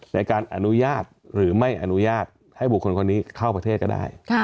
ในการอนุญาตหรือไม่อนุญาตให้บุคคลคนนี้เข้าประเทศก็ได้